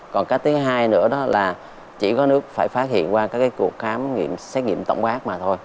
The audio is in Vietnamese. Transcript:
còn cái thứ hai nữa đó là chỉ có nước phải phát hiện qua các cái cuộc khám nghiệm xét nghiệm tổng quát mà thôi